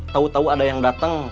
tau tau ada yang datang